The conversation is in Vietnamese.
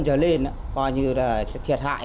coi như thiệt hại